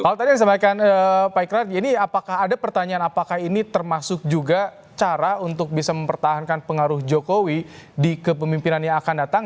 kalau tadi yang disampaikan pak ikrar jadi apakah ada pertanyaan apakah ini termasuk juga cara untuk bisa mempertahankan pengaruh jokowi di kepemimpinan yang akan datang